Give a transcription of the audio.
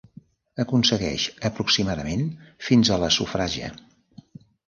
Aconsegueix aproximadament fins a la sofraja.